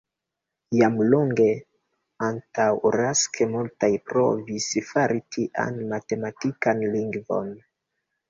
Jam longe antaŭ Rask multaj provis fari tian matematikan lingvon.